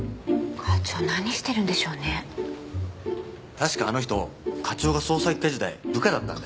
確かあの人課長が捜査一課時代部下だったんだよな。